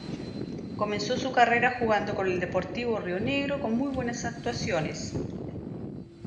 Comenzó su carrera jugando con el Deportivo Rionegro con muy buenas actuaciones.